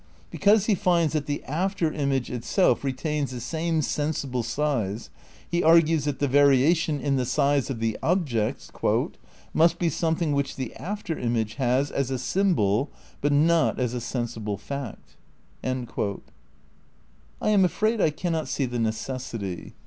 Because he finds that the after image itself "retains the same sensible size," he argues that the variation in the size of the objects "must he something which the after im^ge has as a symbol but not as a sensible fact." ' I am afraid I cannot see the necessity.